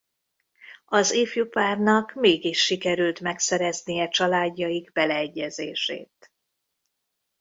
Az ifjú párnak mégis sikerült megszereznie családjaik beleegyezését.